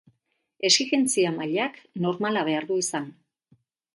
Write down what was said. Exigentzia mailak normala behar du izan.